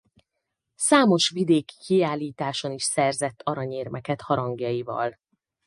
Számos vidéki kiállításon is szerzett aranyérmeket harangjaival.